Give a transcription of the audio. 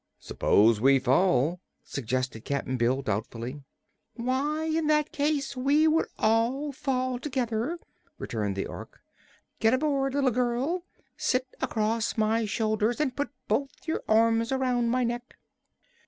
"S'pose we fall?" suggested Cap'n Bill, doubtfully. "Why, in that case we would all fall together," returned the Ork. "Get aboard, little girl; sit across my shoulders and put both your arms around my neck."